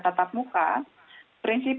tata puka prinsip